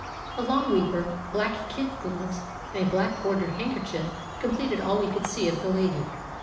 A long weeper, black kid gloves, and a black bordered handkerchief completed all we could see of the lady.